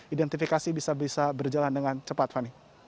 identifikasi bisa bisa berjalan dengan cepat fani